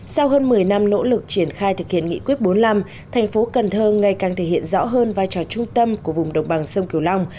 sau hơn một mươi năm nỗ lực triển khai thực hiện nghị quyết bốn mươi năm thành phố cần thơ ngày càng thể hiện rõ hơn vai trò trung tâm của vùng đồng bằng sông kiều long